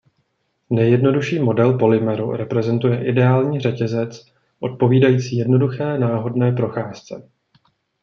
Nejjednodušší model polymeru reprezentuje ideální řetězec odpovídající jednoduché náhodné procházce.